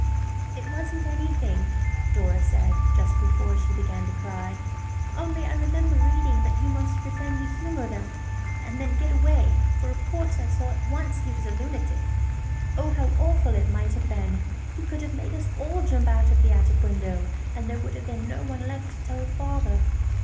"It wasn't anything," Dora said, just before she began to cry, "only I remember reading that you must pretend to humour them, and then get away, for of course I saw at once he was a lunatic. Oh, how awful it might have been! He could have made us all jump out of the attic window, and there would have been no one left to tell Father.